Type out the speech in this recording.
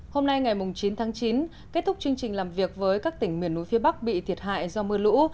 hôm nay ngày chín tháng chín kết thúc chương trình làm việc với các tỉnh miền núi phía bắc bị thiệt hại do mưa lũ